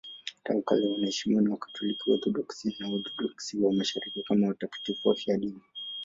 Tangu kale wanaheshimiwa na Wakatoliki, Waorthodoksi na Waorthodoksi wa Mashariki kama watakatifu wafiadini.